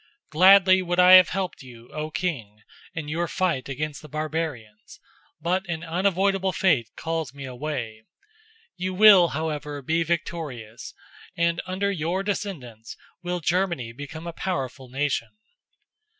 Gladly would I have helped you, O King, in your fight against the barbarians, but an unavoidable fate calls me away. You will, however, be victorious, and under your descendants will Germany become a powerful nation."